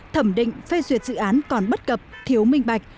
thẩm định phê duyệt dự án còn bất cập thiếu minh bạch